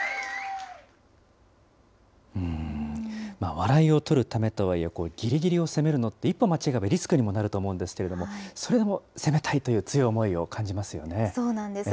笑いを取るためとはいえ、ぎりぎりを攻めるのって、一歩間違えばリスクにもなると思うんですけれども、それでも攻めたいという強い思いを感じますよね。